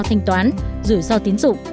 thanh toán rủi ro tiến dụng